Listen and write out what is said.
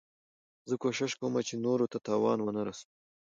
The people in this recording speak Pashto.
زه کوشش کوم، چي نورو ته تاوان و نه رسوم.